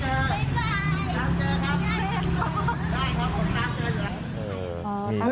ได้ครับผมตามเจออยู่แล้ว